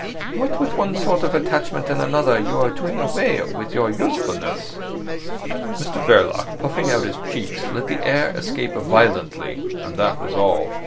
What with one sort of attachment and another you are doing away with your usefulness." Mr Verloc, puffing out his cheeks, let the air escape violently, and that was all.